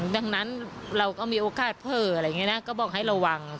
ดังนั้นเราก็มีโอกาสเพิ่มอะไรอย่างนี้นะก็บอกให้ระวัง